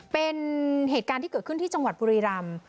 เป็นเหตุการณ์ที่เกิดขึ้นที่จังหวัดบุรีรำ